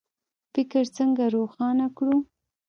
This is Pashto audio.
فکر څنګه روښانه کړو؟